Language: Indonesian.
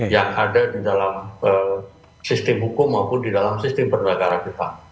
yang ada di dalam sistem hukum maupun di dalam sistem perdagangan kita